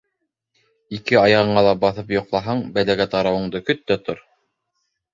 Ике аяғыңа ла баҫып йоҡлаһаң, бәләгә тарыуыңды көт тә тор.